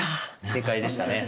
正解でしたね。